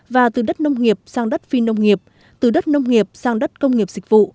và từ đất nông nghiệp sang đất phi nông nghiệp từ đất nông nghiệp sang đất công nghiệp dịch vụ